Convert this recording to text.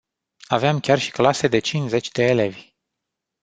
Aveam chiar și clase de cincizeci de elevi.